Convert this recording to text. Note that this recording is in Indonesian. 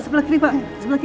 sebelah kiri pak